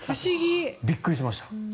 びっくりしました。